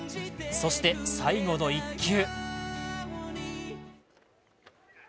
そして、最後の１球。